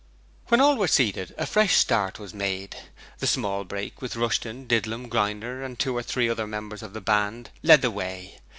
When all were seated a fresh start was made. The small brake, with Rushton, Didlum, Grinder and two or three other members of the Band, led the way.